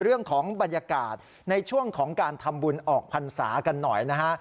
เรื่องของบรรยากาศในช่วงของการทำบุญออกพรรษากันหน่อยนะฮะ